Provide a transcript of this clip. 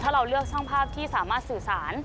ถ้าเราเลือกช่างภาพที่สามารถสื่อสาร